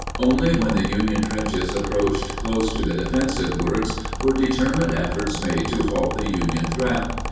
] Only when the Union trenches approached close to the defensive works were determined efforts made to halt the Union threat.